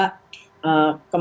kemarin pak menteri sempat